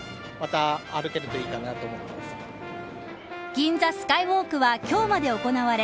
銀座スカイウォークは今日まで行われ